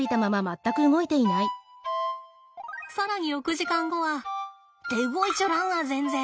更に６時間後はって動いちょらんわ全然！